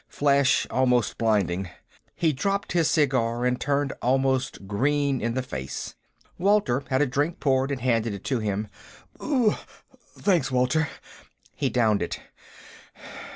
Flash almost blinding." He dropped his cigar and turned almost green in the face. Walter had a drink poured and handed it to him. "Uggh! Thanks, Walter." He downed it.